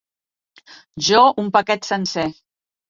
Jo, un paquet sencer!